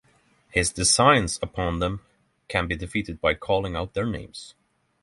His designs upon them can be defeated by calling out their names.